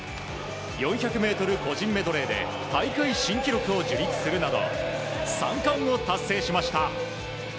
４００ｍ個人メドレーで大会新記録を樹立するなど３冠を達成しました。